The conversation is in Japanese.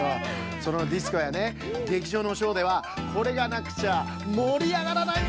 そのディスコやねげきじょうのショーではこれがなくちゃもりあがらないんだよね！